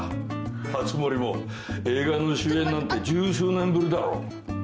熱護も映画の主演なんて十数年ぶりだろ？